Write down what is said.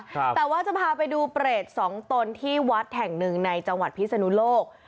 แต่ว่าจะพาไปดูเปรตสองตนที่วัดแห่งหนึ่งในจังหวัดพิศนุโลก